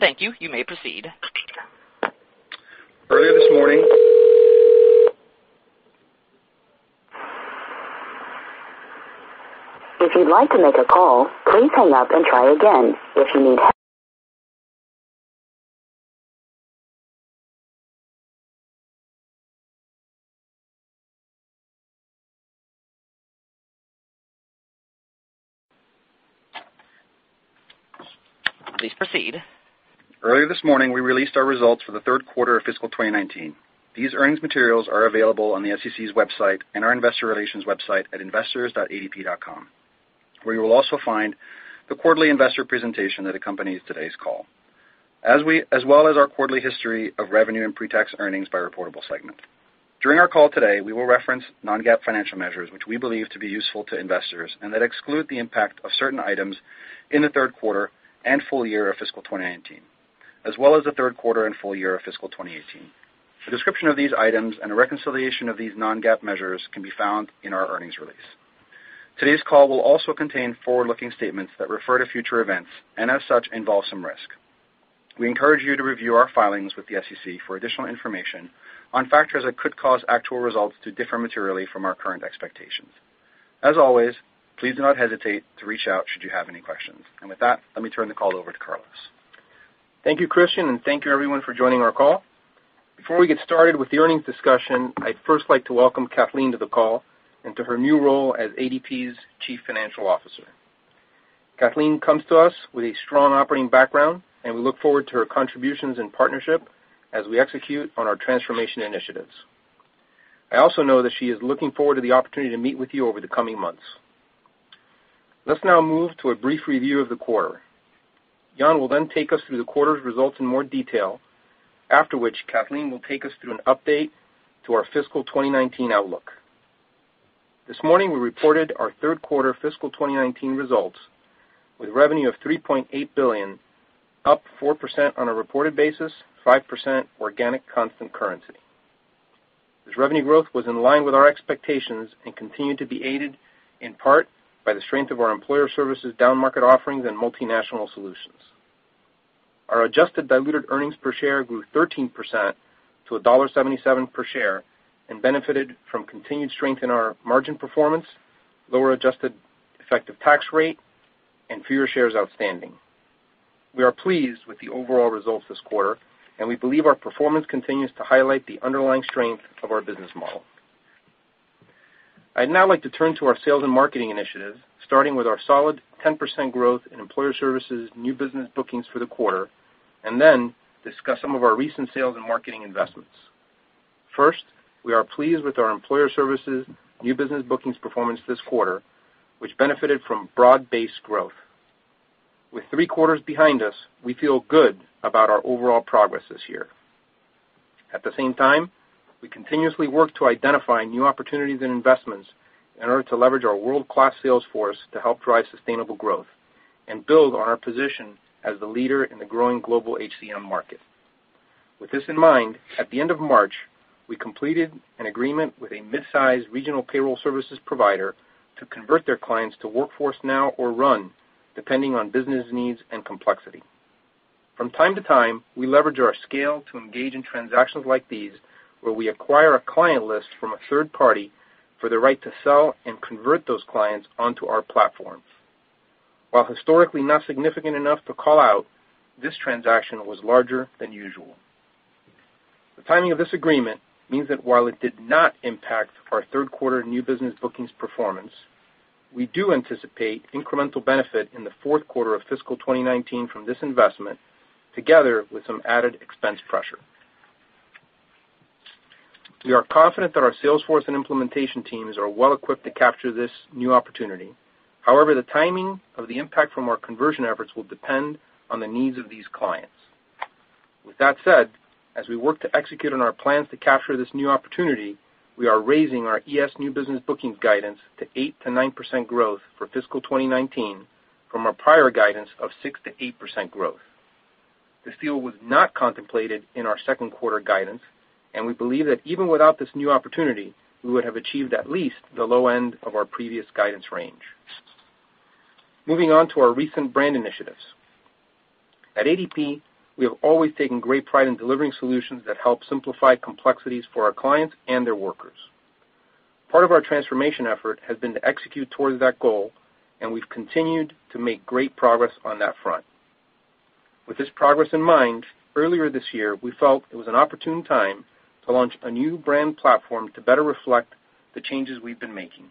Thank you. You may proceed. Earlier this morning. If you'd like to make a call, please hang up and try again. If you need. Please proceed. Earlier this morning, we released our results for the third quarter of FY 2019. These earnings materials are available on the SEC's website and our investor relations website at investors.adp.com, where you will also find the quarterly investor presentation that accompanies today's call, as well as our quarterly history of revenue and pre-tax earnings by reportable segment. During our call today, we will reference non-GAAP financial measures which we believe to be useful to investors and that exclude the impact of certain items in the third quarter and full year of FY 2019, as well as the third quarter and full year of FY 2018. A description of these items and a reconciliation of these non-GAAP measures can be found in our earnings release. Today's call will also contain forward-looking statements that refer to future events and, as such, involve some risk. We encourage you to review our filings with the SEC for additional information on factors that could cause actual results to differ materially from our current expectations. As always, please do not hesitate to reach out should you have any questions. With that, let me turn the call over to Carlos. Thank you, Christian, and thank you, everyone, for joining our call. Before we get started with the earnings discussion, I'd first like to welcome Kathleen to the call and to her new role as ADP's Chief Financial Officer. Kathleen comes to us with a strong operating background, and we look forward to her contributions and partnership as we execute on our transformation initiatives. I also know that she is looking forward to the opportunity to meet with you over the coming months. Let's now move to a brief review of the quarter. Jan will then take us through the quarter's results in more detail, after which Kathleen will take us through an update to our FY 2019 outlook. This morning, we reported our third quarter FY 2019 results with revenue of $3.8 billion, up 4% on a reported basis, 5% organic constant currency. This revenue growth was in line with our expectations and continued to be aided in part by the strength of our Employer Services downmarket offerings and multinational solutions. Our adjusted diluted earnings per share grew 13% to $1.77 per share and benefited from continued strength in our margin performance, lower adjusted effective tax rate, and fewer shares outstanding. We are pleased with the overall results this quarter, and we believe our performance continues to highlight the underlying strength of our business model. I'd now like to turn to our sales and marketing initiatives, starting with our solid 10% growth in Employer Services new business bookings for the quarter, then discuss some of our recent sales and marketing investments. First, we are pleased with our Employer Services new business bookings performance this quarter, which benefited from broad-based growth. With three quarters behind us, we feel good about our overall progress this year. At the same time, we continuously work to identify new opportunities and investments in order to leverage our world-class sales force to help drive sustainable growth and build on our position as the leader in the growing global HCM market. With this in mind, at the end of March, we completed an agreement with a midsize regional payroll services provider to convert their clients to Workforce Now or RUN, depending on business needs and complexity. From time to time, we leverage our scale to engage in transactions like these, where we acquire a client list from a third party for the right to sell and convert those clients onto our platforms. While historically not significant enough to call out, this transaction was larger than usual. The timing of this agreement means that while it did not impact our third quarter new business bookings performance, we do anticipate incremental benefit in the fourth quarter of fiscal 2019 from this investment, together with some added expense pressure. We are confident that our sales force and implementation teams are well-equipped to capture this new opportunity. However, the timing of the impact from our conversion efforts will depend on the needs of these clients. With that said, as we work to execute on our plans to capture this new opportunity, we are raising our ES new business bookings guidance to 8%-9% growth for fiscal 2019 from our prior guidance of 6%-8% growth. This deal was not contemplated in our second quarter guidance, and we believe that even without this new opportunity, we would have achieved at least the low end of our previous guidance range. Moving on to our recent brand initiatives. At ADP, we have always taken great pride in delivering solutions that help simplify complexities for our clients and their workers. Part of our transformation effort has been to execute towards that goal, and we've continued to make great progress on that front. With this progress in mind, earlier this year, we felt it was an opportune time to launch a new brand platform to better reflect the changes we've been making.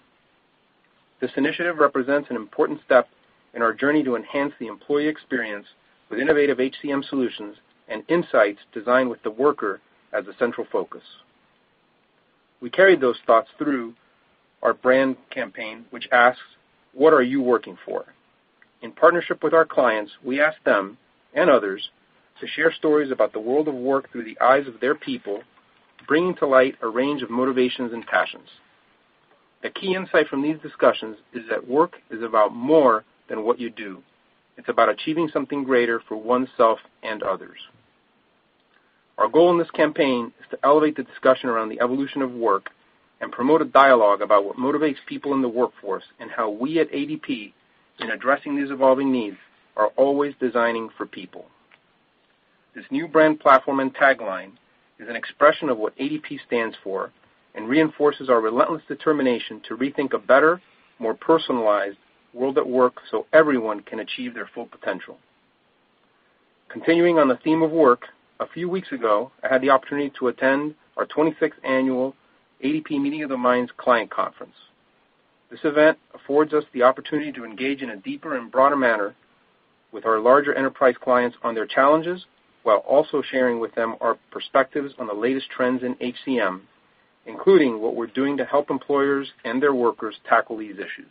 This initiative represents an important step in our journey to enhance the employee experience with innovative HCM solutions and insights designed with the worker as the central focus. We carried those thoughts through our brand campaign, which asks: What are you working for? In partnership with our clients, we ask them and others to share stories about the world of work through the eyes of their people, bringing to light a range of motivations and passions. A key insight from these discussions is that work is about more than what you do. It's about achieving something greater for oneself and others. Our goal in this campaign is to elevate the discussion around the evolution of work and promote a dialogue about what motivates people in the workforce, and how we at ADP, in addressing these evolving needs, are always designing for people. This new brand platform and tagline is an expression of what ADP stands for and reinforces our relentless determination to rethink a better, more personalized world at work so everyone can achieve their full potential. Continuing on the theme of work, a few weeks ago, I had the opportunity to attend our 26th annual ADP Meeting of the Minds client conference. This event affords us the opportunity to engage in a deeper and broader manner with our larger enterprise clients on their challenges, while also sharing with them our perspectives on the latest trends in HCM, including what we're doing to help employers and their workers tackle these issues.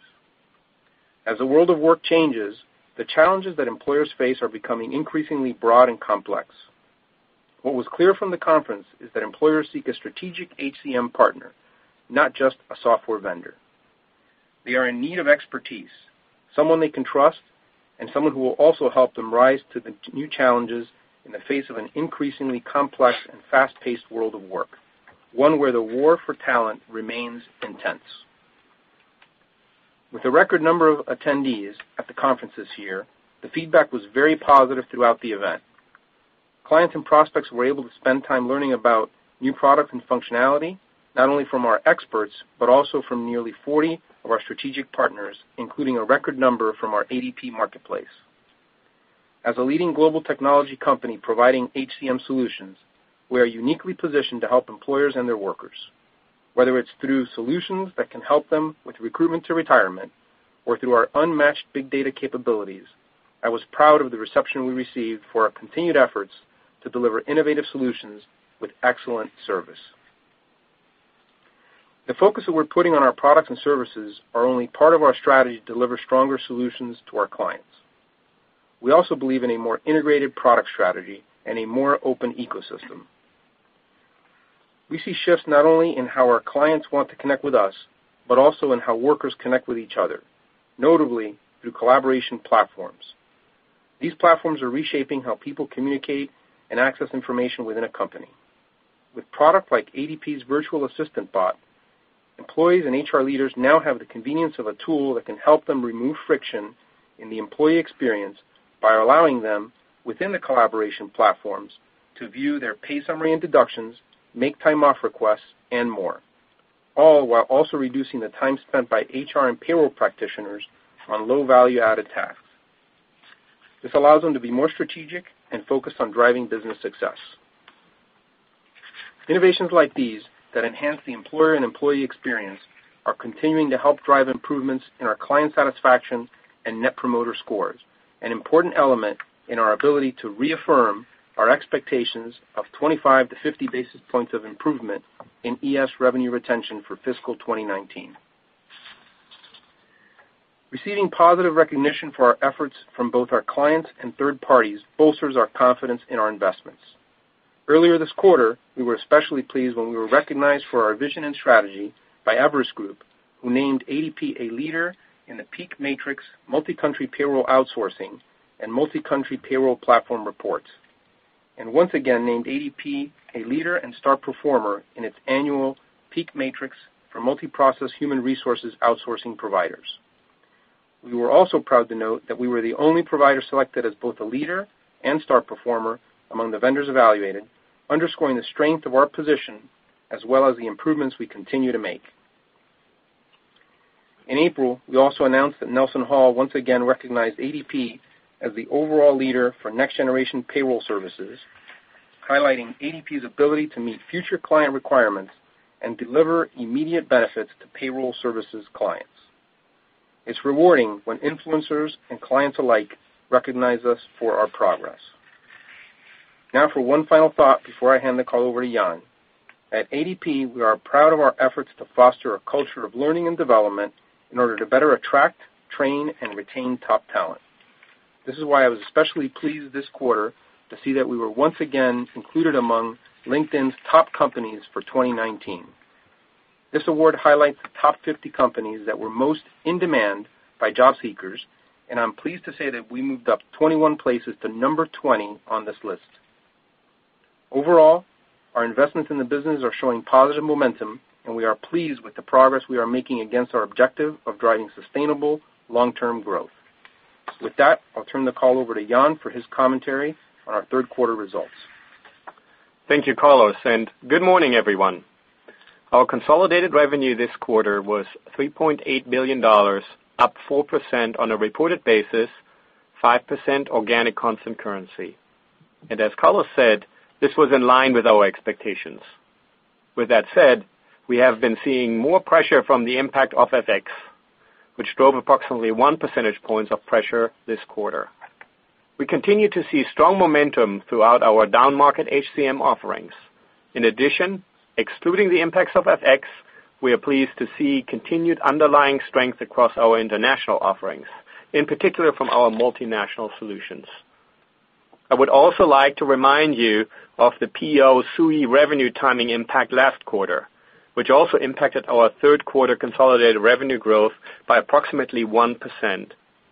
As the world of work changes, the challenges that employers face are becoming increasingly broad and complex. What was clear from the conference is that employers seek a strategic HCM partner, not just a software vendor. They are in need of expertise, someone they can trust, and someone who will also help them rise to the new challenges in the face of an increasingly complex and fast-paced world of work, one where the war for talent remains intense. With a record number of attendees at the conference this year, the feedback was very positive throughout the event. Clients and prospects were able to spend time learning about new product and functionality, not only from our experts, but also from nearly 40 of our strategic partners, including a record number from our ADP Marketplace. As a leading global technology company providing HCM solutions, we are uniquely positioned to help employers and their workers, whether it's through solutions that can help them with recruitment to retirement or through our unmatched big data capabilities. I was proud of the reception we received for our continued efforts to deliver innovative solutions with excellent service. The focus that we're putting on our products and services are only part of our strategy to deliver stronger solutions to our clients. We also believe in a more integrated product strategy and a more open ecosystem. We see shifts not only in how our clients want to connect with us, but also in how workers connect with each other, notably through collaboration platforms. These platforms are reshaping how people communicate and access information within a company. With products like ADP Virtual Assistant bot, employees and HR leaders now have the convenience of a tool that can help them remove friction in the employee experience by allowing them, within the collaboration platforms, to view their pay summary and deductions, make time off requests, and more. All while also reducing the time spent by HR and payroll practitioners on low value-added tasks. This allows them to be more strategic and focused on driving business success. Innovations like these that enhance the employer and employee experience are continuing to help drive improvements in our client satisfaction and net promoter scores, an important element in our ability to reaffirm our expectations of 25 to 50 basis points of improvement in ES revenue retention for fiscal 2019. Receiving positive recognition for our efforts from both our clients and third parties bolsters our confidence in our investments. Earlier this quarter, we were especially pleased when we were recognized for our vision and strategy by Everest Group, who named ADP a leader in the PEAK Matrix Multi-Country Payroll Outsourcing and Multi-Country Payroll Platform reports, and once again named ADP a leader and star performer in its annual PEAK Matrix for Multi-Process Human Resources Outsourcing providers. We were also proud to note that we were the only provider selected as both a leader and star performer among the vendors evaluated, underscoring the strength of our position, as well as the improvements we continue to make. In April, we also announced that NelsonHall once again recognized ADP as the overall leader for next-generation payroll services, highlighting ADP's ability to meet future client requirements and deliver immediate benefits to payroll services clients. It's rewarding when influencers and clients alike recognize us for our progress. Now for one final thought before I hand the call over to Jan. At ADP, we are proud of our efforts to foster a culture of learning and development in order to better attract, train, and retain top talent. This is why I was especially pleased this quarter to see that we were once again included among LinkedIn's top companies for 2019. This award highlights the top 50 companies that were most in demand by job seekers. I'm pleased to say that we moved up 21 places to number 20 on this list. Overall, our investments in the business are showing positive momentum. We are pleased with the progress we are making against our objective of driving sustainable long-term growth. With that, I'll turn the call over to Jan for his commentary on our third quarter results. Thank you, Carlos, and good morning, everyone. Our consolidated revenue this quarter was $3.8 billion, up 4% on a reported basis, 5% organic constant currency. As Carlos said, this was in line with our expectations. With that said, we have been seeing more pressure from the impact of FX, which drove approximately one percentage point of pressure this quarter. We continue to see strong momentum throughout our downmarket HCM offerings. In addition, excluding the impacts of FX, we are pleased to see continued underlying strength across our international offerings, in particular from our multinational solutions. I would also like to remind you of the PEO SUI revenue timing impact last quarter, which also impacted our third quarter consolidated revenue growth by approximately 1%,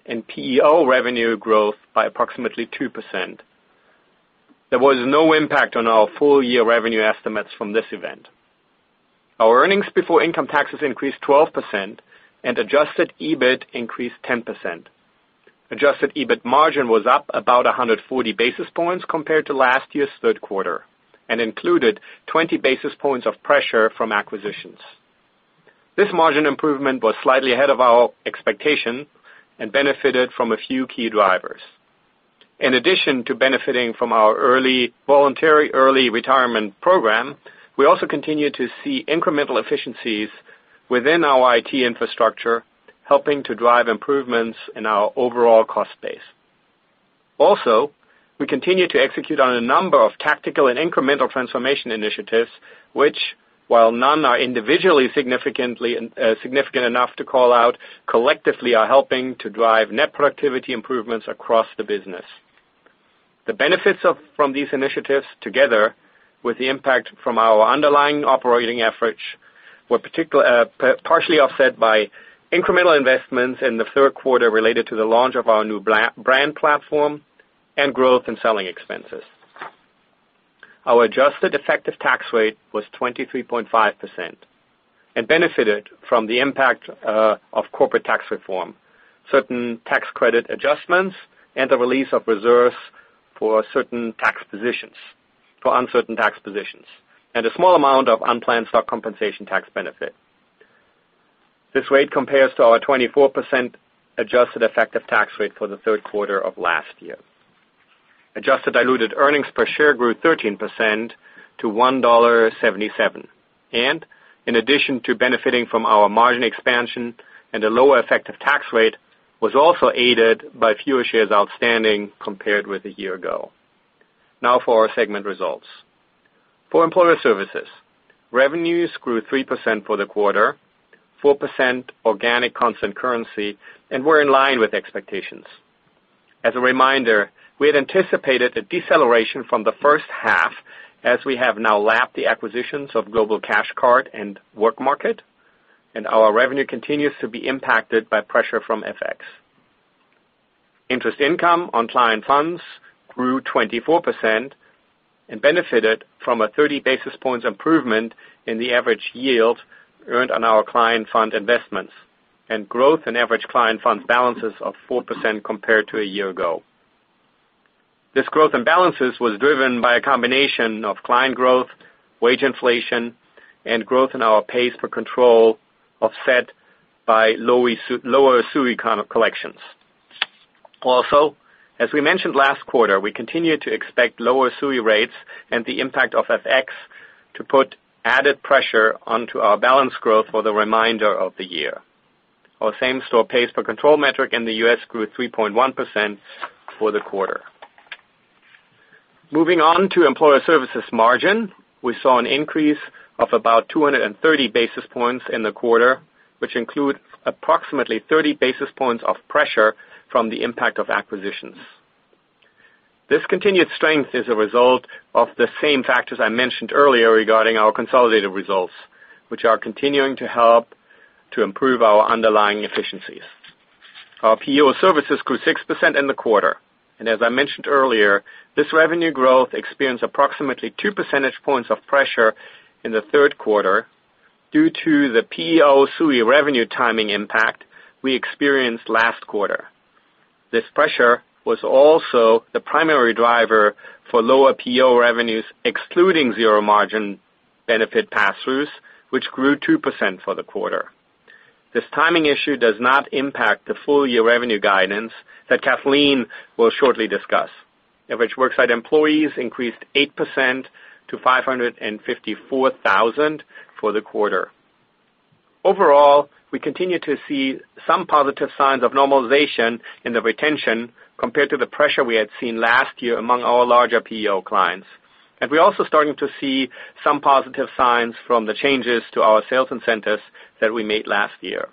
and PEO revenue growth by approximately 2%. There was no impact on our full-year revenue estimates from this event. Our earnings before income taxes increased 12%. Adjusted EBIT increased 10%. Adjusted EBIT margin was up about 140 basis points compared to last year's third quarter and included 20 basis points of pressure from acquisitions. This margin improvement was slightly ahead of our expectation and benefited from a few key drivers. In addition to benefiting from our voluntary early retirement program, we also continue to see incremental efficiencies within our IT infrastructure, helping to drive improvements in our overall cost base. We continue to execute on a number of tactical and incremental transformation initiatives, which while none are individually significant enough to call out, collectively are helping to drive net productivity improvements across the business. The benefits from these initiatives, together with the impact from our underlying operating efforts, were partially offset by incremental investments in the third quarter related to the launch of our new brand platform and growth in selling expenses. Our adjusted effective tax rate was 23.5% and benefited from the impact of corporate tax reform, certain tax credit adjustments, and the release of reserves for uncertain tax positions, and a small amount of unplanned stock compensation tax benefit. This rate compares to our 24% adjusted effective tax rate for the third quarter of last year. Adjusted diluted earnings per share grew 13% to $1.77. In addition to benefiting from our margin expansion and a lower effective tax rate, was also aided by fewer shares outstanding compared with a year ago. Now for our segment results. For Employer Services, revenues grew 3% for the quarter, 4% organic constant currency, and were in line with expectations. As a reminder, we had anticipated a deceleration from the first half as we have now lapped the acquisitions of Global Cash Card and WorkMarket, and our revenue continues to be impacted by pressure from FX. Interest income on client funds grew 24% and benefited from a 30 basis points improvement in the average yield earned on our client fund investments, and growth in average client fund balances of 4% compared to a year ago. This growth in balances was driven by a combination of client growth, wage inflation, and growth in our pace for control, offset by lower SUI collections. As we mentioned last quarter, we continue to expect lower SUI rates and the impact of FX to put added pressure onto our balance growth for the remainder of the year. Our same-store pace for control metric in the U.S. grew 3.1% for the quarter. Moving on to Employer Services margin, we saw an increase of about 230 basis points in the quarter, which include approximately 30 basis points of pressure from the impact of acquisitions. This continued strength is a result of the same factors I mentioned earlier regarding our consolidated results, which are continuing to help to improve our underlying efficiencies. Our PEO services grew 6% in the quarter. As I mentioned earlier, this revenue growth experienced approximately two percentage points of pressure in the third quarter due to the PEO SUI revenue timing impact we experienced last quarter. This pressure was also the primary driver for lower PEO revenues, excluding zero-margin benefit pass-throughs, which grew 2% for the quarter. This timing issue does not impact the full-year revenue guidance that Kathleen will shortly discuss. Average worksite employees increased 8% to 554,000 for the quarter. Overall, we continue to see some positive signs of normalization in the retention compared to the pressure we had seen last year among our larger PEO clients. We are also starting to see some positive signs from the changes to our sales incentives that we made last year.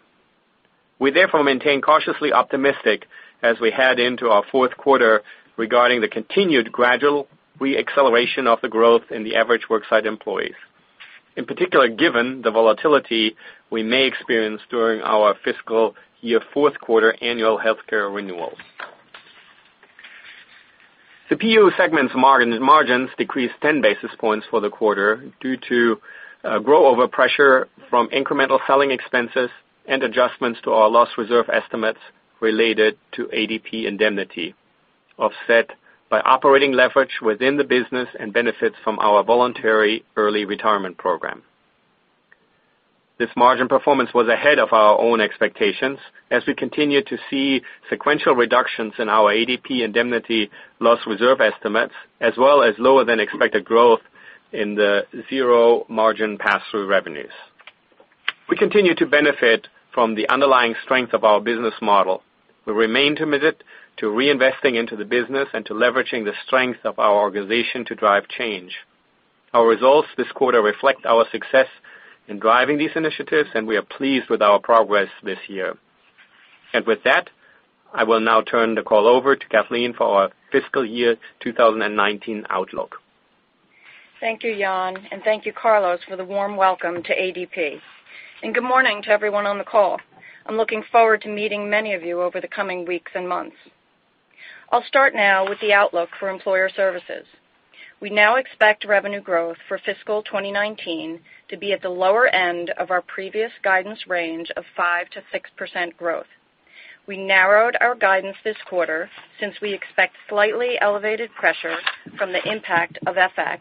We therefore maintain cautiously optimistic as we head into our fourth quarter regarding the continued gradual re-acceleration of the growth in the average worksite employees. In particular, given the volatility we may experience during our fiscal year fourth quarter annual healthcare renewals. The PEO segment's margins decreased 10 basis points for the quarter due to grow over pressure from incremental selling expenses and adjustments to our loss reserve estimates related to ADP Indemnity, offset by operating leverage within the business and benefits from our voluntary early retirement program. This margin performance was ahead of our own expectations as we continue to see sequential reductions in our ADP Indemnity loss reserve estimates, as well as lower than expected growth in the zero-margin pass-through revenues. We continue to benefit from the underlying strength of our business model. We remain committed to reinvesting into the business and to leveraging the strength of our organization to drive change. Our results this quarter reflect our success in driving these initiatives, and we are pleased with our progress this year. With that, I will now turn the call over to Kathleen for our fiscal year 2019 outlook. Thank you, Jan, and thank you, Carlos, for the warm welcome to ADP. Good morning to everyone on the call. I will start now with the outlook for Employer Services. We now expect revenue growth for fiscal 2019 to be at the lower end of our previous guidance range of 5%-6% growth. We narrowed our guidance this quarter since we expect slightly elevated pressure from the impact of FX.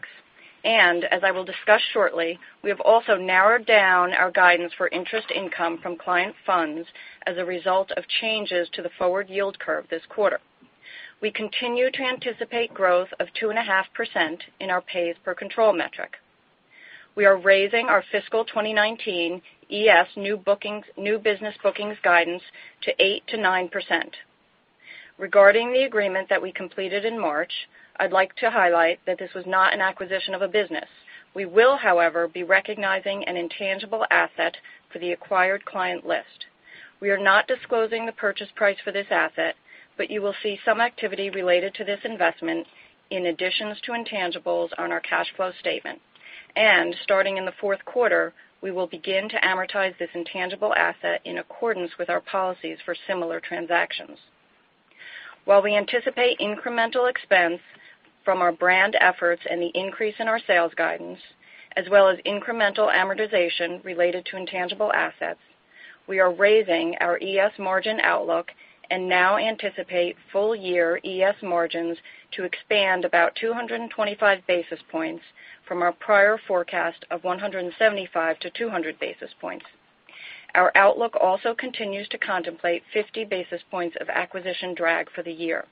As I will discuss shortly, we have also narrowed down our guidance for interest income from client funds as a result of changes to the forward yield curve this quarter. We continue to anticipate growth of 2.5% in our pays per control metric. We are raising our fiscal 2019 ES new business bookings guidance to 8%-9%. Regarding the agreement that we completed in March, I would like to highlight that this was not an acquisition of a business. We will, however, be recognizing an intangible asset for the acquired client list. We are not disclosing the purchase price for this asset, but you will see some activity related to this investment in additions to intangibles on our cash flow statement. Starting in the fourth quarter, we will begin to amortize this intangible asset in accordance with our policies for similar transactions. While we anticipate incremental expense from our brand efforts and the increase in our sales guidance, as well as incremental amortization related to intangible assets, we are raising our ES margin outlook and now anticipate full-year ES margins to expand about 225 basis points from our prior forecast of 175-200 basis points. Our outlook also continues to contemplate 50 basis points of acquisition drag for the year.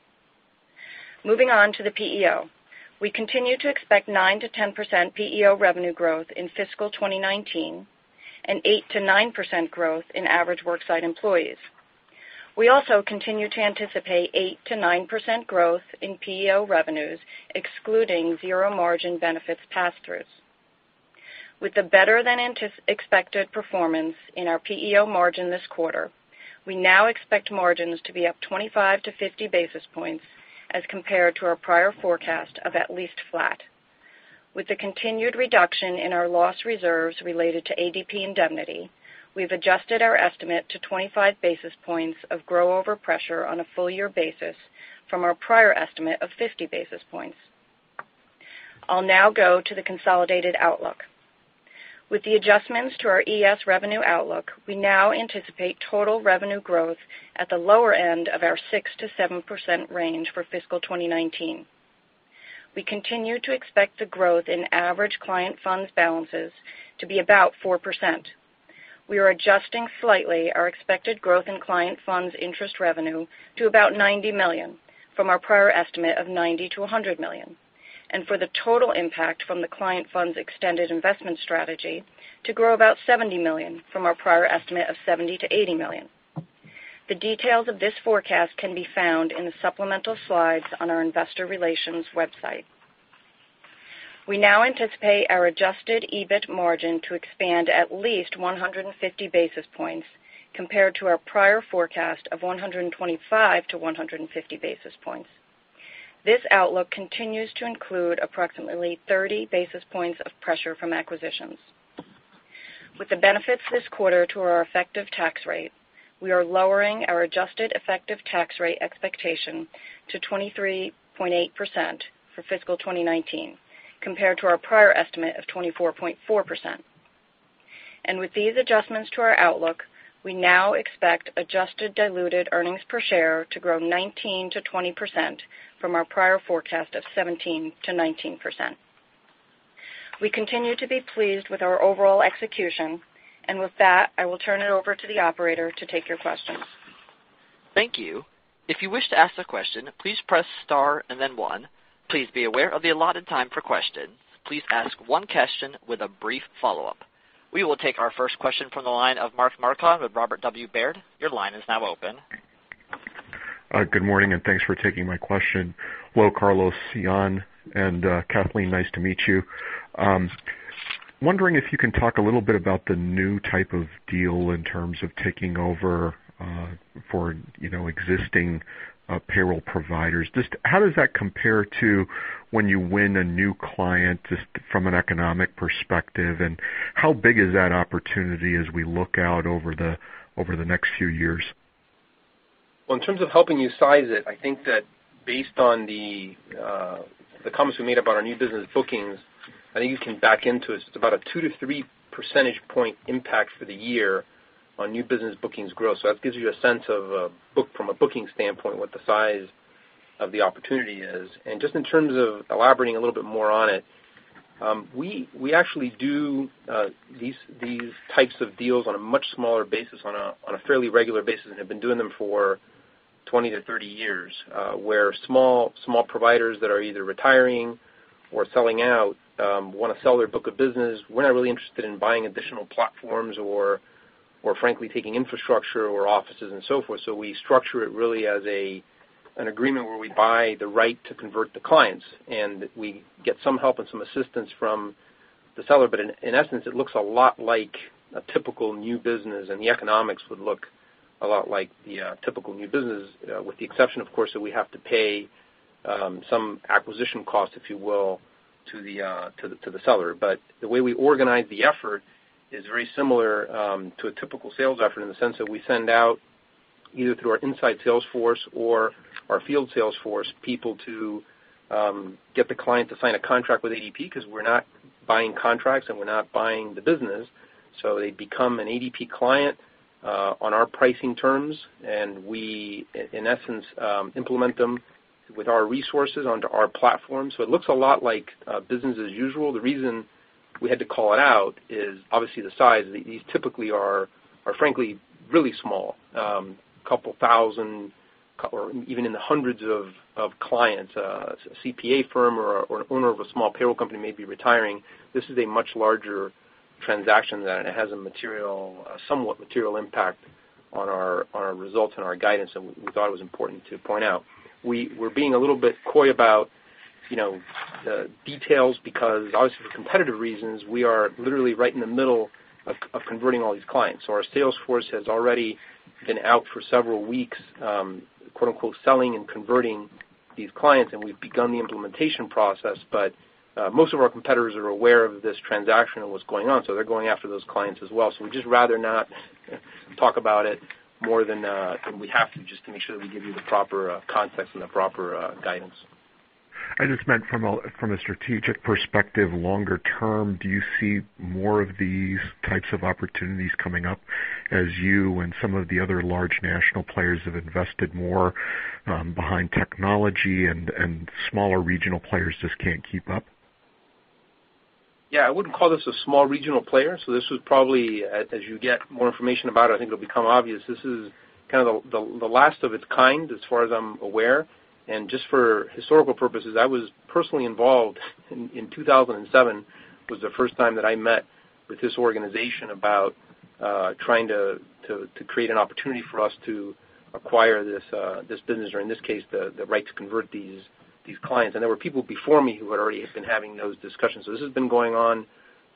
Moving on to the PEO. We continue to expect 9%-10% PEO revenue growth in fiscal 2019 and 8%-9% growth in average worksite employees. We also continue to anticipate 8%-9% growth in PEO revenues, excluding zero margin benefits passthroughs. With the better-than-expected performance in our PEO margin this quarter, we now expect margins to be up 25 to 50 basis points as compared to our prior forecast of at least flat. With the continued reduction in our loss reserves related to ADP Indemnity, we've adjusted our estimate to 25 basis points of grow-over pressure on a full-year basis from our prior estimate of 50 basis points. I'll now go to the consolidated outlook. With the adjustments to our ES revenue outlook, we now anticipate total revenue growth at the lower end of the 6%-7% range for fiscal 2019. We continue to expect the growth in average client funds balances to be about 4%. We are adjusting slightly our expected growth in client funds interest revenue to about $90 million from our prior estimate of $90 million-$100 million. For the total impact from the client funds extended investment strategy to grow about $70 million from our prior estimate of $70 million-$80 million. The details of this forecast can be found in the supplemental slides on our investor relations website. We now anticipate our adjusted EBIT margin to expand at least 150 basis points compared to our prior forecast of 125 to 150 basis points. This outlook continues to include approximately 30 basis points of pressure from acquisitions. With the benefits this quarter to our effective tax rate, we are lowering our adjusted effective tax rate expectation to 23.8% for fiscal 2019, compared to our prior estimate of 24.4%. With these adjustments to our outlook, we now expect adjusted diluted earnings per share to grow 19%-20% from our prior forecast of 17%-19%. We continue to be pleased with our overall execution. Thank you. If you wish to ask a question, please press star and then one. Please be aware of the allotted time for questions. Please ask one question with a brief follow-up. We will take our first question from the line of Mark Marcon with Robert W. Baird. Your line is now open. Good morning. Thanks for taking my question. Hello, Carlos, Jan, and Kathleen, nice to meet you. I'm wondering if you can talk a little bit about the new type of deal in terms of taking over for existing payroll providers. How does that compare to when you win a new client just from an economic perspective, and how big is that opportunity as we look out over the next few years? Well, in terms of helping you size it, I think that based on the comments we made about our new business bookings, I think you can back into it. It's about a 2 to 3 percentage point impact for the year on new business bookings growth. That gives you a sense of, from a booking standpoint, what the size of the opportunity is. Just in terms of elaborating a little bit more on it, we actually do these types of deals on a much smaller basis on a fairly regular basis and have been doing them for 20 to 30 years, where small providers that are either retiring or selling out want to sell their book of business. We're not really interested in buying additional platforms or frankly taking infrastructure or offices and so forth. We structure it really as an agreement where we buy the right to convert the clients, and we get some help and some assistance from the seller, but in essence, it looks a lot like a typical new business, and the economics would look a lot like the typical new business, with the exception, of course, that we have to pay some acquisition costs, if you will, to the seller. The way we organize the effort is very similar to a typical sales effort in the sense that we send out, either through our inside sales force or our field sales force, people to get the client to sign a contract with ADP, because we're not buying contracts and we're not buying the business. They become an ADP client on our pricing terms, and we, in essence, implement them with our resources onto our platform. It looks a lot like business as usual. The reason we had to call it out is obviously the size. These typically are, frankly, really small, a couple thousand, or even in the hundreds of clients, a CPA firm or an owner of a small payroll company may be retiring. This is a much larger transaction, and it has a somewhat material impact on our results and our guidance, and we thought it was important to point out. We're being a little bit coy about the details because obviously for competitive reasons, we are literally right in the middle of converting all these clients. Our sales force has already been out for several weeks, quote-unquote, selling and converting these clients, and we've begun the implementation process. Most of our competitors are aware of this transaction and what's going on, so they're going after those clients as well. We'd just rather not talk about it more than we have to, just to make sure that we give you the proper context and the proper guidance. I just meant from a strategic perspective, longer term, do you see more of these types of opportunities coming up as you and some of the other large national players have invested more behind technology and smaller regional players just can't keep up? I wouldn't call this a small regional player. This was probably, as you get more information about it, I think it'll become obvious, this is kind of the last of its kind as far as I'm aware. Just for historical purposes, I was personally involved in 2007, was the first time that I met with this organization about trying to create an opportunity for us to acquire this business, or in this case, the right to convert these clients. There were people before me who had already been having those discussions. This has been going on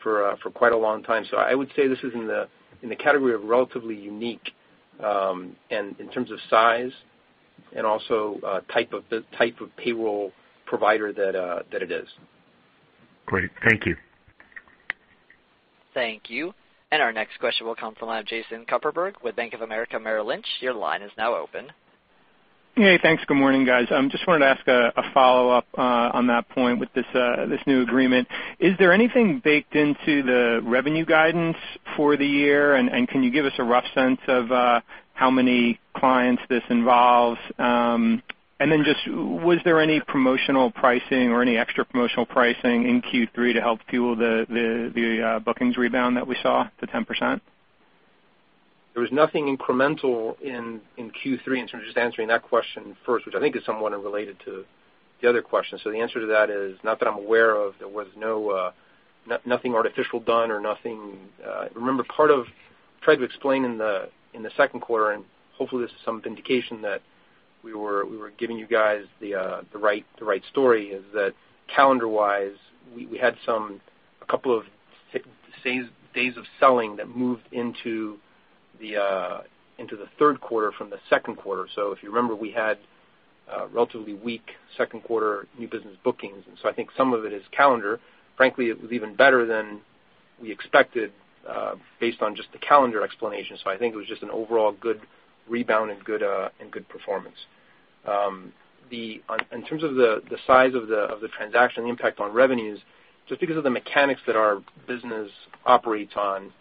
for quite a long time. I would say this is in the category of relatively unique, and in terms of size and also type of payroll provider that it is. Great. Thank you. Thank you. Our next question will come from the line of Jason Kupferberg with Bank of America Merrill Lynch. Your line is now open. Hey, thanks. Good morning, guys. Just wanted to ask a follow-up on that point with this new agreement. Is there anything baked into the revenue guidance for the year, and can you give us a rough sense of how many clients this involves? Was there any promotional pricing or any extra promotional pricing in Q3 to help fuel the bookings rebound that we saw, the 10%? There was nothing incremental in Q3, in terms of just answering that question first, which I think is somewhat related to the other question. The answer to that is not that I'm aware of. There was nothing artificial done or nothing. Remember, part of trying to explain in the second quarter, and hopefully this is some vindication that we were giving you guys the right story, is that calendar-wise, we had a couple of days of selling that moved into the third quarter from the second quarter. If you remember, we had a relatively weak second quarter new business bookings. I think some of it is calendar. Frankly, it was even better than we expected based on just the calendar explanation. I think it was just an overall good rebound and good performance. In terms of the size of the transaction impact on revenues, just because of the mechanics that our business operates on,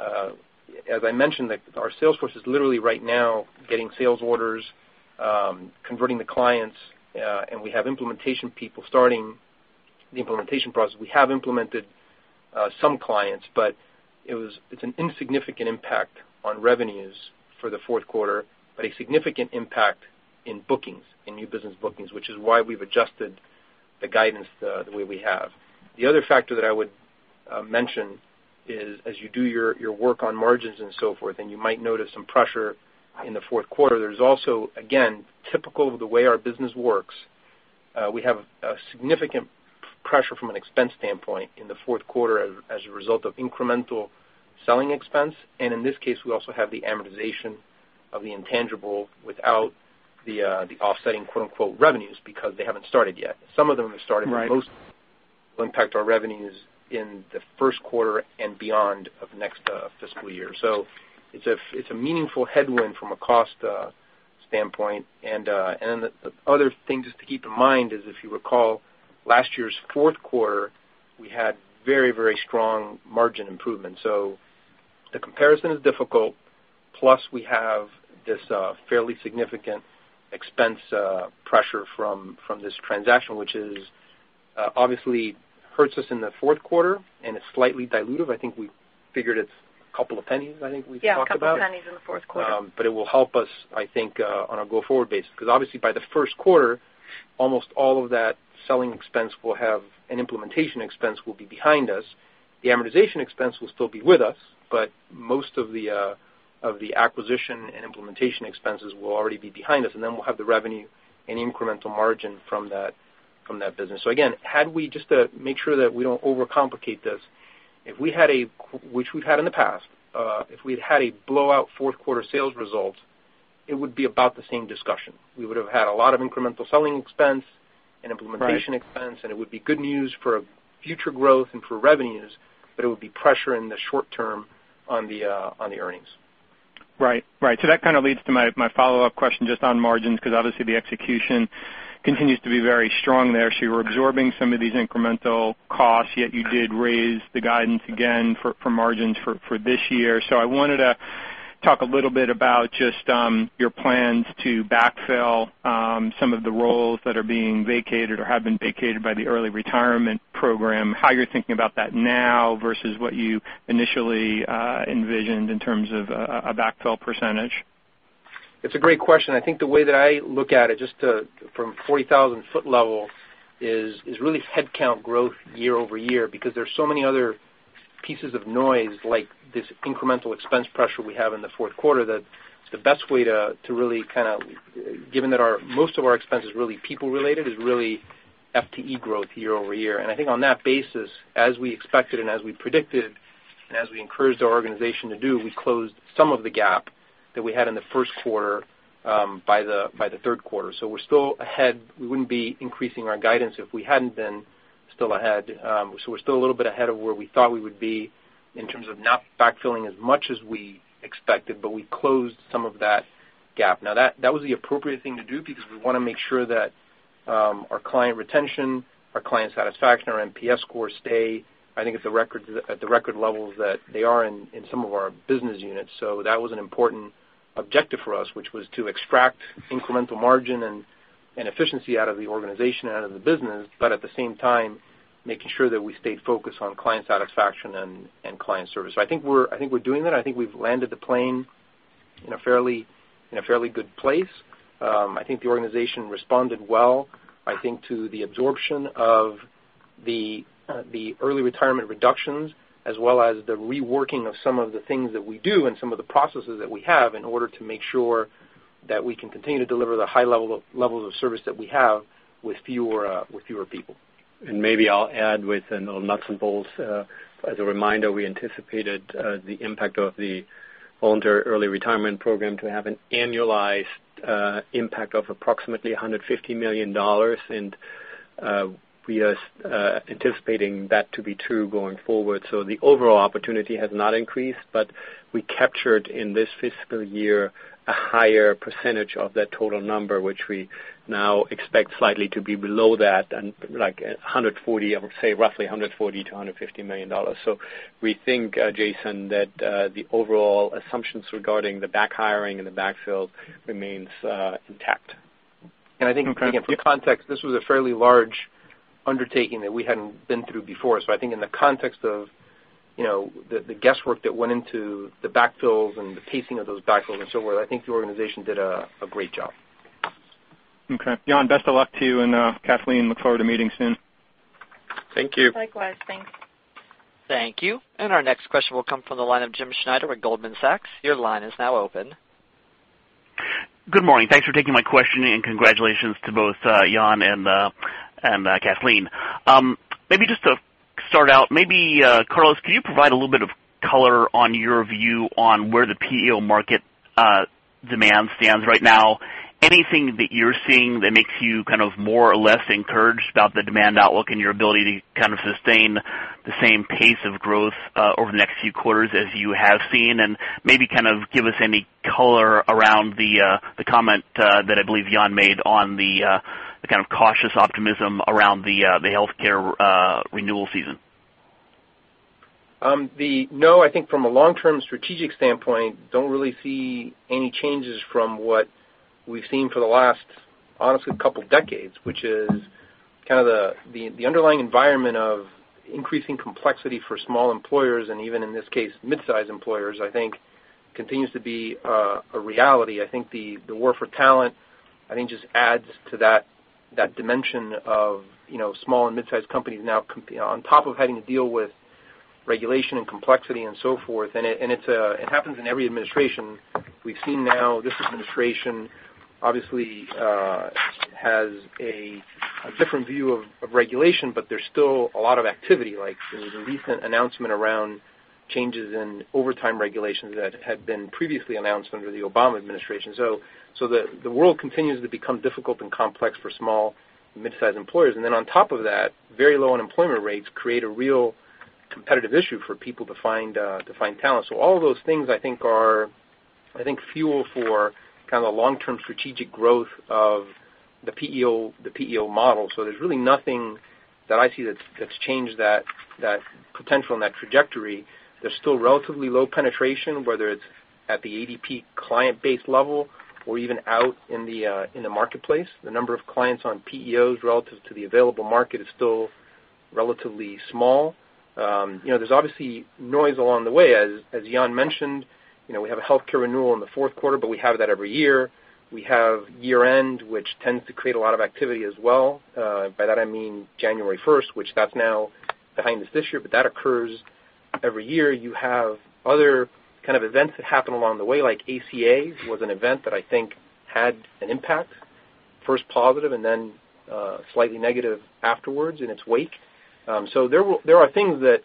as I mentioned, our sales force is literally right now getting sales orders, converting the clients, and we have implementation people starting the implementation process. We have implemented some clients, but it's an insignificant impact on revenues for the fourth quarter, but a significant impact in bookings, in new business bookings, which is why we've adjusted the guidance the way we have. The other factor that I would mention is as you do your work on margins and so forth, and you might notice some pressure in the fourth quarter, there's also, again, typical of the way our business works, we have a significant pressure from an expense standpoint in the fourth quarter as a result of incremental selling expense. In this case, we also have the amortization of the intangible without the offsetting, quote-unquote, "revenues" because they haven't started yet. Some of them have started. Right most will impact our revenues in the first quarter and beyond of next fiscal year. It's a meaningful headwind from a cost standpoint. The other thing just to keep in mind is, if you recall last year's fourth quarter, we had very strong margin improvements. The comparison is difficult. Plus, we have this fairly significant expense pressure from this transaction, which obviously hurts us in the fourth quarter, and it's slightly dilutive. I think we figured it's a couple of pennies, I think we've talked about. Yeah, a couple of pennies in the fourth quarter. It will help us, I think, on a go-forward basis, because obviously by the first quarter, almost all of that selling expense will have an implementation expense will be behind us. The amortization expense will still be with us, but most of the acquisition and implementation expenses will already be behind us, and then we'll have the revenue and incremental margin from that business. Again, to make sure that we don't overcomplicate this. If we had a, which we've had in the past, if we'd had a blowout fourth quarter sales result, it would be about the same discussion. We would have had a lot of incremental selling expense and implementation- Right expense, and it would be good news for future growth and for revenues, but it would be pressure in the short term on the earnings. Right. That kind of leads to my follow-up question just on margins, because obviously the execution continues to be very strong there. You were absorbing some of these incremental costs, yet you did raise the guidance again for margins for this year. I wanted to talk a little bit about just your plans to backfill some of the roles that are being vacated or have been vacated by the early retirement program, how you're thinking about that now versus what you initially envisioned in terms of a backfill percentage. It's a great question. I think the way that I look at it, just from 40,000 foot level, is really headcount growth year-over-year, because there's so many other pieces of noise like this incremental expense pressure we have in the fourth quarter, that the best way to really Given that most of our expense is really people related, is really FTE growth year-over-year. I think on that basis, as we expected and as we predicted, and as we encouraged our organization to do, we closed some of the gap that we had in the first quarter, by the third quarter. We're still ahead. We wouldn't be increasing our guidance if we hadn't been still ahead. We're still a little bit ahead of where we thought we would be in terms of not backfilling as much as we expected, but we closed some of that gap. That was the appropriate thing to do because we want to make sure that our client retention, our client satisfaction, our NPS scores stay, I think at the record levels that they are in some of our business units. That was an important objective for us, which was to extract incremental margin and efficiency out of the organization, out of the business, but at the same time, making sure that we stayed focused on client satisfaction and client service. I think we're doing that. I think we've landed the plane in a fairly good place. I think the organization responded well, I think to the absorption of the early retirement reductions, as well as the reworking of some of the things that we do and some of the processes that we have in order to make sure that we can continue to deliver the high levels of service that we have with fewer people. Maybe I'll add with a little nuts and bolts. As a reminder, we anticipated the impact of the voluntary early retirement program to have an annualized impact of approximately $150 million, and we are anticipating that to be true going forward. The overall opportunity has not increased, but we captured in this fiscal year a higher percentage of that total number, which we now expect slightly to be below that, say roughly $140 million-$150 million. We think, Jason, that the overall assumptions regarding the back hiring and the backfill remains intact. I think for context, this was a fairly large undertaking that we hadn't been through before. I think in the context of the guesswork that went into the backfills and the pacing of those backfills and so forth, I think the organization did a great job. Okay. Jan, best of luck to you and Kathleen, look forward to meeting soon. Thank you. Likewise. Thanks. Thank you. Our next question will come from the line of James Schneider with Goldman Sachs. Your line is now open. Good morning. Thanks for taking my question, and congratulations to both Jan and Kathleen. Maybe just to start out, maybe Carlos, can you provide a little bit of color on your view on where the PEO market demand stands right now? Anything that you're seeing that makes you more or less encouraged about the demand outlook and your ability to sustain the same pace of growth over the next few quarters as you have seen? Maybe give us any color around the comment that I believe Jan made on the cautious optimism around the healthcare renewal season. I think from a long-term strategic standpoint, don't really see any changes from what we've seen for the last, honestly, couple decades, which is the underlying environment of increasing complexity for small employers, and even in this case, mid-size employers, I think continues to be a reality. I think the war for talent just adds to that dimension of small and mid-size companies now on top of having to deal with regulation and complexity and so forth. It happens in every administration. We've seen now this administration obviously has a different view of regulation, but there's still a lot of activity, like the recent announcement around changes in overtime regulations that had been previously announced under the Obama administration. The world continues to become difficult and complex for small and mid-size employers. On top of that, very low unemployment rates create a real competitive issue for people to find talent. All of those things I think are fuel for the long-term strategic growth of the PEO model. There's really nothing that I see that's changed that potential and that trajectory. There's still relatively low penetration, whether it's at the ADP client base level or even out in the marketplace. The number of clients on PEOs relative to the available market is still relatively small. There's obviously noise along the way. As Jan mentioned, we have a healthcare renewal in the fourth quarter, but we have that every year. We have year-end, which tends to create a lot of activity as well. By that I mean January 1st, which that's now behind us this year, but that occurs every year. You have other kind of events that happen along the way, like ACA was an event that I think had an impact, first positive and then slightly negative afterwards in its wake. There are things that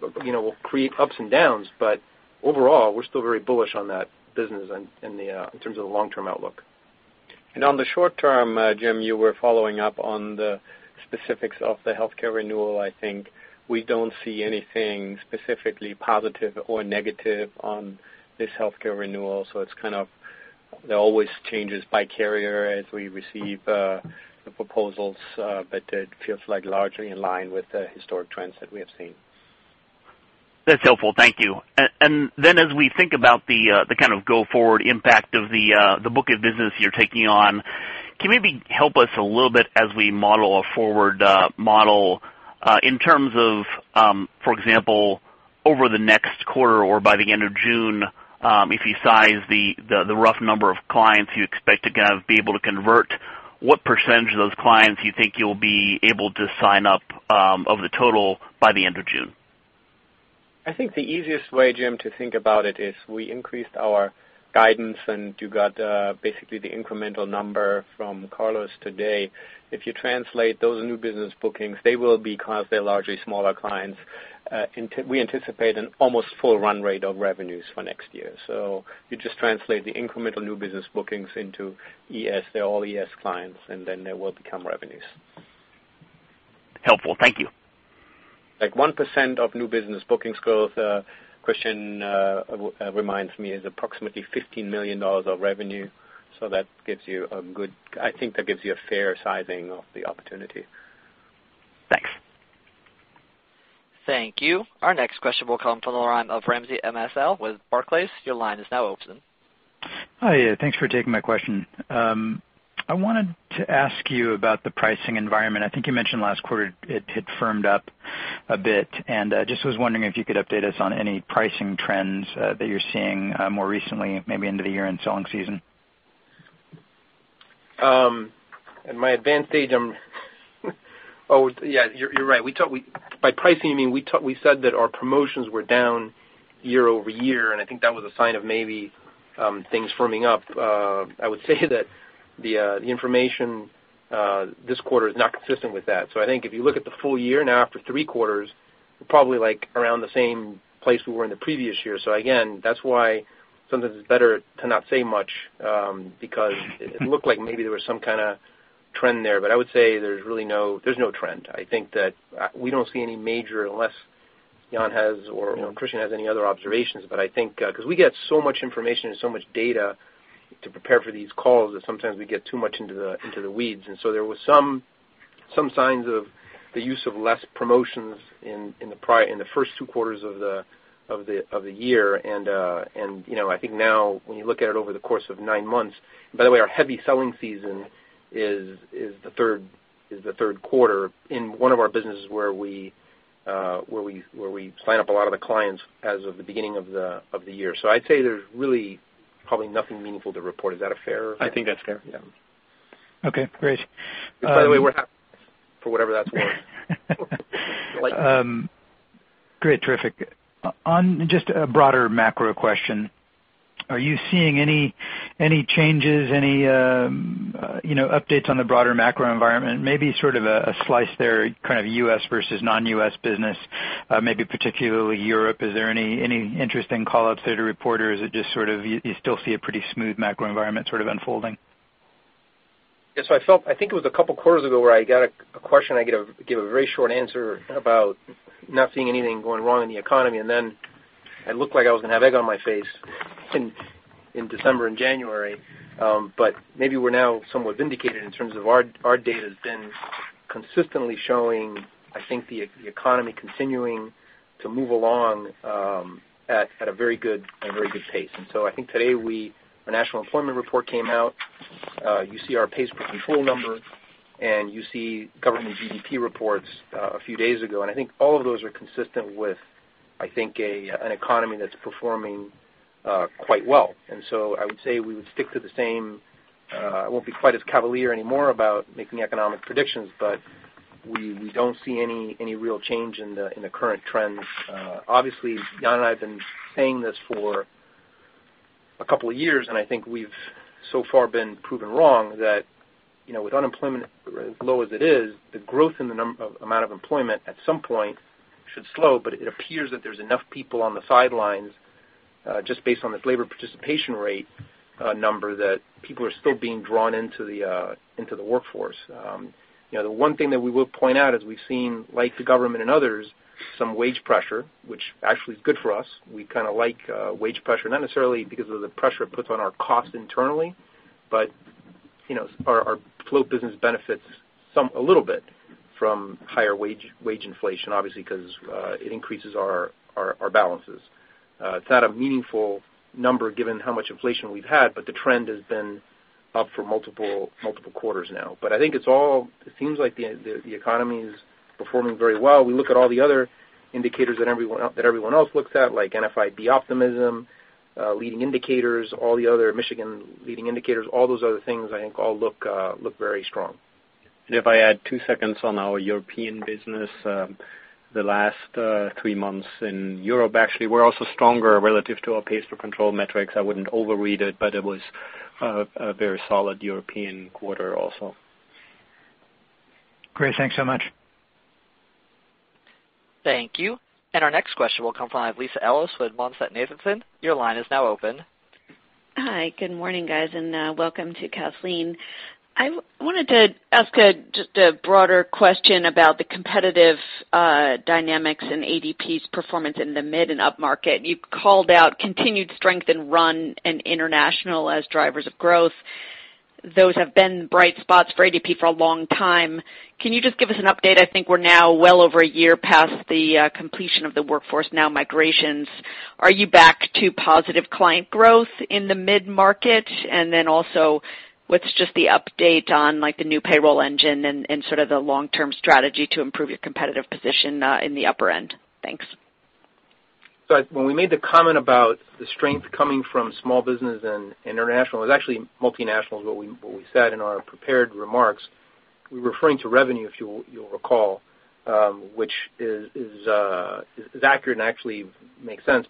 will create ups and downs, but overall, we're still very bullish on that business in terms of the long-term outlook. On the short term, Jim, you were following up on the specifics of the healthcare renewal. I think we don't see anything specifically positive or negative on this healthcare renewal. It always changes by carrier as we receive the proposals, but it feels like largely in line with the historic trends that we have seen. That's helpful. Thank you. Then as we think about the kind of go-forward impact of the book of business you're taking on, can you maybe help us a little bit as we model a forward model, in terms of, for example, over the next quarter or by the end of June, if you size the rough number of clients you expect to be able to convert, what percentage of those clients you think you'll be able to sign up of the total by the end of June? I think the easiest way, Jim, to think about it is we increased our guidance, you got basically the incremental number from Carlos today. If you translate those new business bookings, they will be, because they're largely smaller clients, we anticipate an almost full run rate of revenues for next year. You just translate the incremental new business bookings into ES. They're all ES clients, then they will become revenues. Helpful. Thank you. Like 1% of new business bookings growth, Christian reminds me, is approximately $15 million of revenue. I think that gives you a fair sizing of the opportunity. Thanks. Thank you. Our next question will come from the line of Ramsey El-Assal with Barclays. Your line is now open. Hi. Thanks for taking my question. I wanted to ask you about the pricing environment. I think you mentioned last quarter it had firmed up a bit, just was wondering if you could update us on any pricing trends that you're seeing more recently, maybe into the year-end selling season. At my advanced age, oh, yeah, you're right. By pricing, we said that our promotions were down year-over-year, I think that was a sign of maybe things firming up. I would say that the information this quarter is not consistent with that. I think if you look at the full year now after three quarters, we're probably around the same place we were in the previous year. Again, that's why sometimes it's better to not say much, because it looked like maybe there was some kind of trend there. I would say there's no trend. I think that we don't see any major, unless Jan has or Christian has any other observations. I think because we get so much information and so much data to prepare for these calls, that sometimes we get too much into the weeds. There was some signs of the use of less promotions in the first two quarters of the year. I think now when you look at it over the course of nine months. By the way, our heavy selling season is the third quarter in one of our businesses where we sign up a lot of the clients as of the beginning of the year. I'd say there's really probably nothing meaningful to report. Is that fair? I think that's fair. Yeah. Okay, great. Which, by the way, we're happy for whatever that's worth. Great. Terrific. On just a broader macro question, are you seeing any changes, any updates on the broader macro environment, maybe sort of a slice there, kind of U.S. versus non-U.S. business, maybe particularly Europe? Is there any interesting call-outs there to report, or is it just sort of you still see a pretty smooth macro environment sort of unfolding? Yes. I think it was a couple of quarters ago where I got a question, I gave a very short answer about not seeing anything going wrong in the economy, and then it looked like I was going to have egg on my face in December and January. Maybe we're now somewhat vindicated in terms of our data has been consistently showing, I think, the economy continuing to move along at a very good pace. I think today, our national employment report came out. You see our payroll control number, and you see government GDP reports a few days ago. I think all of those are consistent with, I think, an economy that's performing quite well. I would say we would stick to the same. I won't be quite as cavalier anymore about making economic predictions, but we don't see any real change in the current trends. Obviously, Jan and I have been saying this for a couple of years, and I think we've so far been proven wrong, that with unemployment as low as it is, the growth in the amount of employment at some point should slow. It appears that there's enough people on the sidelines, just based on the labor participation rate number, that people are still being drawn into the workforce. The one thing that we will point out is we've seen, like the government and others, some wage pressure, which actually is good for us. We kind of like wage pressure, not necessarily because of the pressure it puts on our cost internally, but our float business benefits a little bit from higher wage inflation, obviously, because it increases our balances. It's not a meaningful number given how much inflation we've had, but the trend has been up for multiple quarters now. I think it seems like the economy is performing very well. We look at all the other indicators that everyone else looks at, like NFIB optimism, leading indicators, all the other Michigan leading indicators, all those other things I think all look very strong. If I add two seconds on our European business, the last three months in Europe actually were also stronger relative to our payroll control metrics. I wouldn't overread it, but it was a very solid European quarter also. Great. Thanks so much. Thank you. Our next question will come from Lisa Ellis with MoffettNathanson. Your line is now open. Hi, good morning, guys, and welcome to Kathleen. I wanted to ask just a broader question about the competitive dynamics in ADP's performance in the mid- and upmarket. You called out continued strength in RUN and international as drivers of growth. Those have been bright spots for ADP for a long time. Can you just give us an update? I think we're now well over a year past the completion of the Workforce Now migrations. Are you back to positive client growth in the mid-market? What's just the update on the new payroll engine and sort of the long-term strategy to improve your competitive position in the upper end? Thanks. When we made the comment about the strength coming from small business and international, it was actually multinational is what we said in our prepared remarks. We were referring to revenue, if you'll recall, which is accurate and actually makes sense.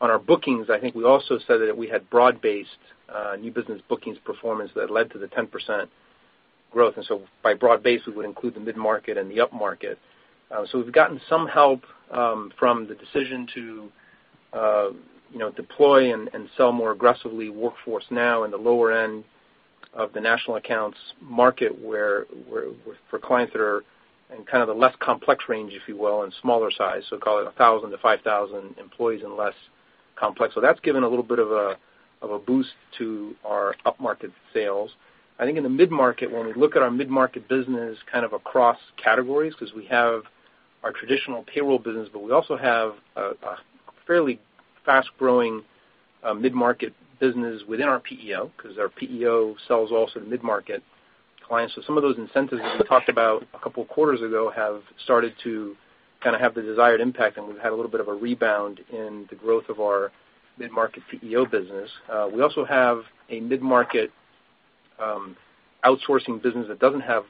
On our bookings, I think we also said that we had broad-based new business bookings performance that led to the 10% growth. By broad-based, we would include the mid-market and the upmarket. We've gotten some help from the decision to deploy and sell more aggressively Workforce Now in the lower end of the national accounts market for clients that are in kind of the less complex range, if you will, and smaller size. Call it 1,000 to 5,000 employees and less complex. That's given a little bit of a boost to our upmarket sales. I think in the mid-market, when we look at our mid-market business kind of across categories, because we have our traditional payroll business, but we also have a fairly fast-growing mid-market business within our PEO, because our PEO sells also to mid-market clients. Some of those incentives that we talked about a couple of quarters ago have started to kind of have the desired impact, and we've had a little bit of a rebound in the growth of our mid-market PEO business. We also have a mid-market outsourcing business that doesn't have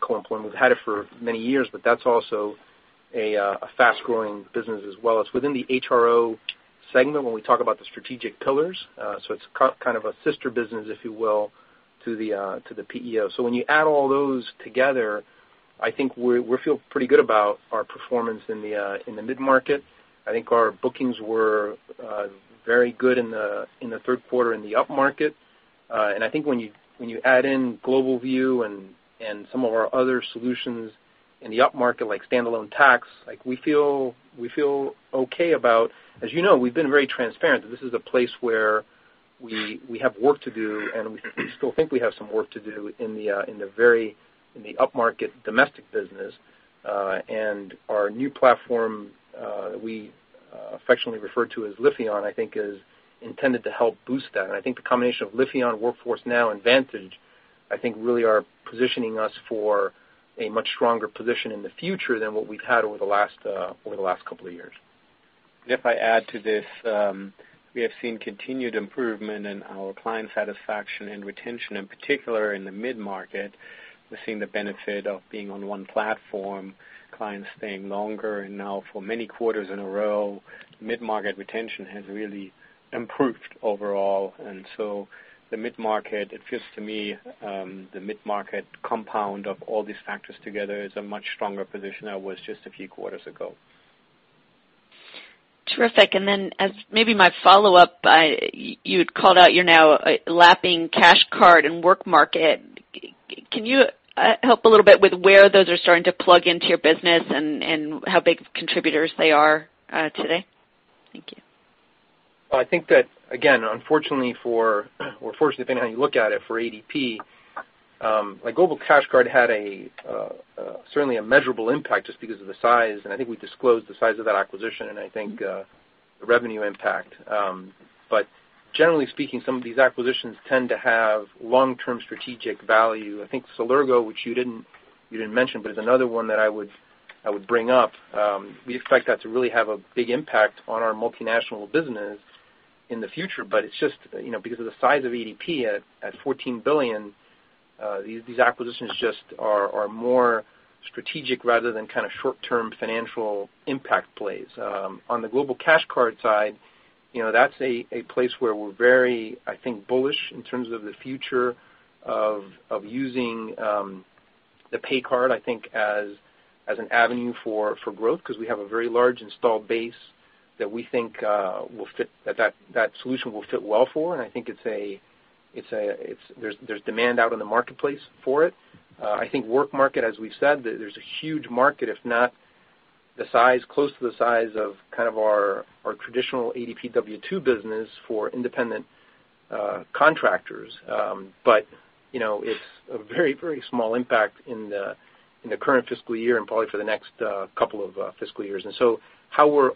co-employment. We've had it for many years, but that's also a fast-growing business as well. It's within the HRO segment when we talk about the strategic pillars. It's kind of a sister business, if you will, to the PEO. When you add all those together, I think we feel pretty good about our performance in the mid-market. I think our bookings were very good in the third quarter in the upmarket. I think when you add in GlobalView and some of our other solutions in the upmarket, like standalone tax, we feel okay about. As you know, we've been very transparent that this is a place where we have work to do, and we still think we have some work to do in the upmarket domestic business. Our new platform, we affectionately refer to as Lifion, I think is intended to help boost that. I think the combination of Lifion, Workforce Now, and Vantage, I think really are positioning us for a much stronger position in the future than what we've had over the last couple of years. If I add to this, we have seen continued improvement in our client satisfaction and retention, in particular in the mid-market. We're seeing the benefit of being on one platform, clients staying longer, and now for many quarters in a row, mid-market retention has really improved overall. The mid-market, it feels to me, the mid-market compound of all these factors together is a much stronger position than it was just a few quarters ago. Terrific. As maybe my follow-up, you had called out you're now lapping Global Cash Card and WorkMarket. Can you help a little bit with where those are starting to plug into your business and how big contributors they are today? Thank you. I think that, again, unfortunately for, or fortunately, depending on how you look at it, for ADP, Global Cash Card had certainly a measurable impact just because of the size, and I think we disclosed the size of that acquisition, and I think the revenue impact. Generally speaking, some of these acquisitions tend to have long-term strategic value. I think Celergo, which you didn't mention, but is another one that I would bring up, we expect that to really have a big impact on our multinational business in the future. It's just because of the size of ADP at $14 billion, these acquisitions just are more strategic rather than kind of short-term financial impact plays. On the Global Cash Card side, that's a place where we're very, I think, bullish in terms of the future of using the pay card, I think, as an avenue for growth because we have a very large installed base that we think that solution will fit well for, and I think there's demand out in the marketplace for it. I think WorkMarket, as we've said, there's a huge market, if not the size, close to the size of kind of our traditional ADP W2 business for independent contractors. It's a very small impact in the current fiscal year and probably for the next couple of fiscal years. What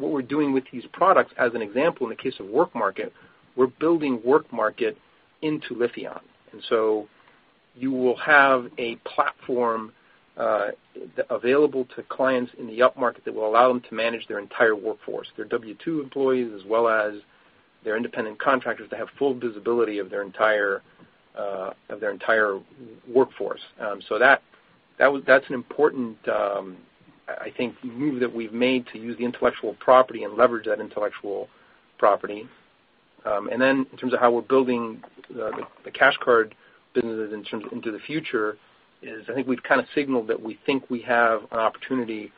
we're doing with these products, as an example, in the case of WorkMarket, we're building WorkMarket into Lifion. You will have a platform available to clients in the upmarket that will allow them to manage their entire workforce, their W2 employees, as well as their independent contractors to have full visibility of their entire workforce. That's an important, I think, move that we've made to use the intellectual property and leverage that intellectual property. In terms of how we're building the Cash Card businesses into the future is, I think we've kind of signaled that we think we have an opportunity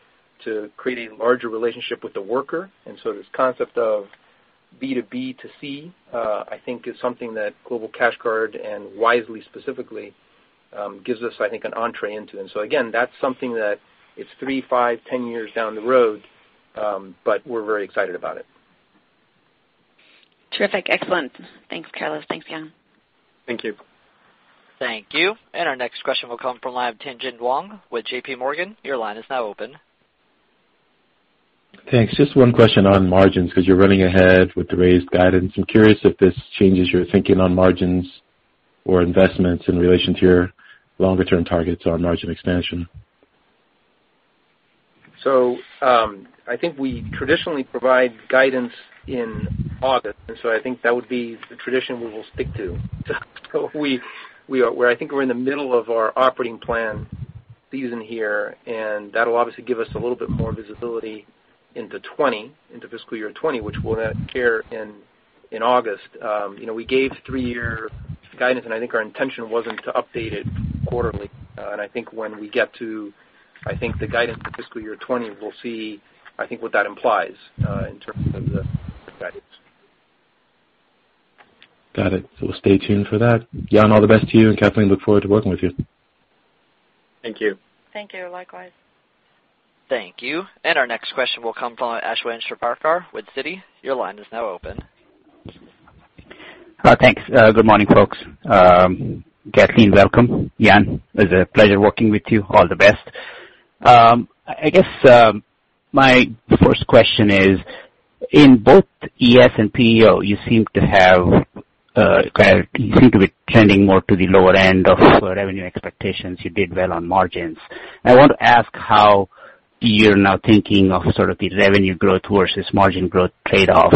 to create a larger relationship with the worker. This concept of B2B2C, I think, is something that Global Cash Card, and Wisely specifically, gives us, I think, an entrée into. Again, that's something that is three, five, 10 years down the road, but we're very excited about it. Terrific. Excellent. Thanks, Carlos. Thanks, Jan. Thank you. Thank you. Our next question will come from the line of Tien-Tsin Huang with J.P. Morgan. Your line is now open. Thanks. Just one question on margins, because you're running ahead with the raised guidance. I'm curious if this changes your thinking on margins or investments in relation to your longer-term targets on margin expansion. I think we traditionally provide guidance in August, and so I think that would be the tradition we will stick to. I think we're in the middle of our operating plan season here, and that'll obviously give us a little bit more visibility into fiscal year 2020, which we'll then share in August. We gave three-year guidance, and I think our intention wasn't to update it quarterly. I think when we get to the guidance for fiscal year 2020, we'll see, I think, what that implies in terms of the guidance. Got it. We'll stay tuned for that. Jan, all the best to you, and Kathleen, look forward to working with you. Thank you. Thank you. Likewise. Thank you. Our next question will come from Ashwin Shirvaikar with Citi. Your line is now open. Thanks. Good morning, folks. Kathleen, welcome. Jan, it is a pleasure working with you. All the best. I guess my first question is, in both ES and PEO, you seem to be trending more to the lower end of revenue expectations. You did well on margins. I want to ask how you're now thinking of sort of the revenue growth versus margin growth trade-off.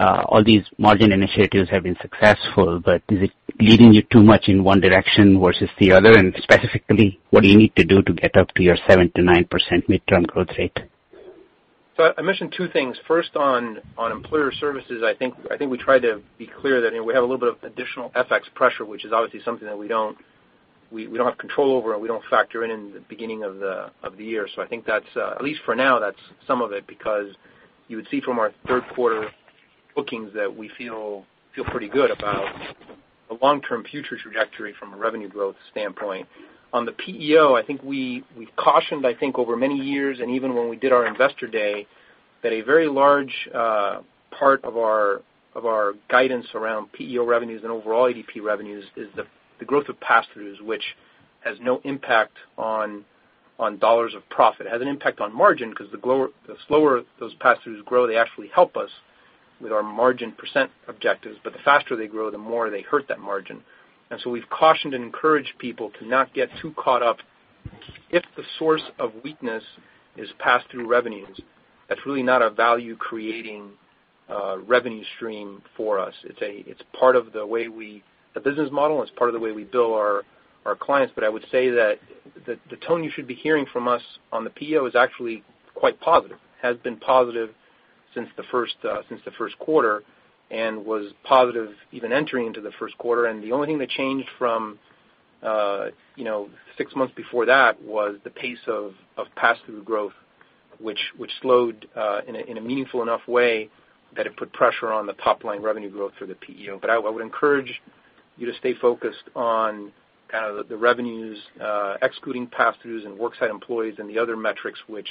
All these margin initiatives have been successful, is it leading you too much in one direction versus the other? Specifically, what do you need to do to get up to your 7%-9% midterm growth rate? I mentioned two things. First, on Employer Services, I think we try to be clear that we have a little bit of additional FX pressure, which is obviously something that we don't have control over, and we don't factor in in the beginning of the year. I think, at least for now, that's some of it, because you would see from our third quarter bookings that we feel pretty good about the long-term future trajectory from a revenue growth standpoint. On the PEO, I think we cautioned, I think over many years, even when we did our investor day, that a very large part of our guidance around PEO revenues and overall ADP revenues is the growth of pass-throughs, which has no impact on dollars of profit. It has an impact on margin because the slower those pass-throughs grow, they actually help us with our margin percent objectives, the faster they grow, the more they hurt that margin. We've cautioned and encouraged people to not get too caught up if the source of weakness is pass-through revenues. That's really not a value-creating revenue stream for us. It's part of the business model, and it's part of the way we bill our clients. I would say that the tone you should be hearing from us on the PEO is actually quite positive. Has been positive since the first quarter, and was positive even entering into the first quarter. The only thing that changed from six months before that was the pace of pass-through growth, which slowed in a meaningful enough way that it put pressure on the top-line revenue growth for the PEO. I would encourage you to stay focused on the revenues, excluding pass-throughs and worksite employees and the other metrics which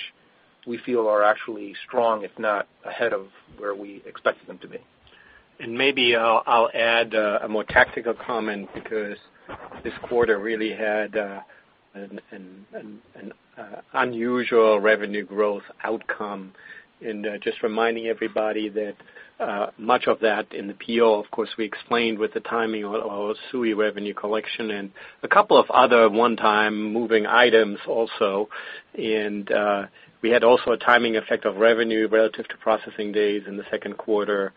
we feel are actually strong, if not ahead of where we expected them to be. Maybe I'll add a more tactical comment because this quarter really had an unusual revenue growth outcome. Just reminding everybody that much of that in the PEO, of course, we explained with the timing of our SUI revenue collection and a couple of other one-time moving items also. We had also a timing effect of revenue relative to processing days in the second quarter